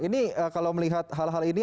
ini kalau melihat hal hal ini